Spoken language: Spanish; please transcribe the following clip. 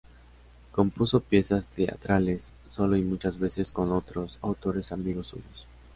Compuso piezas teatrales solo y muchas veces con otros autores amigos suyos.